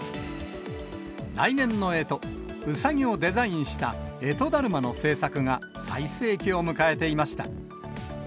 来年のえと、うさぎをデザインした、干支だるまの製作が最盛期を迎えていました。